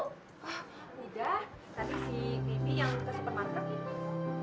tidak tadi si bibi yang ke supermarket itu